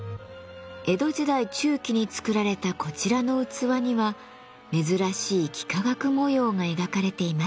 江戸時代中期に作られたこちらの器には珍しい幾何学模様が描かれています。